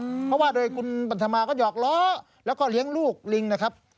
เพราะว่าโดยคุณปันธมาก็หยอกล้อแล้วก็เลี้ยงลูกลิงนะครับ